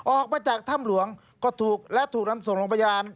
ออกมาจากถ้ำหลวงก็ถูกและถูกนำส่งโรงพยาบาล